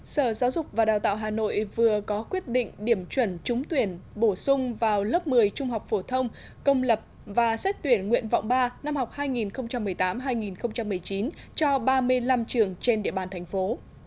sở giáo dục và đào tạo hà nội vừa có quyết định điểm chuẩn trúng tuyển bổ sung vào lớp một mươi trung học phổ thông công lập và xét tuyển nguyện vọng ba năm học hai nghìn một mươi tám hai nghìn một mươi chín cho ba mươi năm trường trên địa bàn thành phố